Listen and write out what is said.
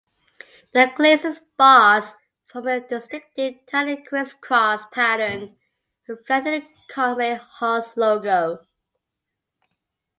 The glazing bars form a distinctive tiny criss-cross pattern reflected in Conway Hall's logo.